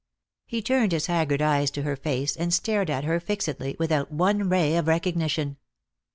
He turned his haggard eyes to her face, and stared at her fixedly, without one ray of recognition.